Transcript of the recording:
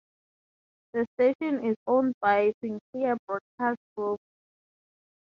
The station is owned by Sinclair Broadcast Group.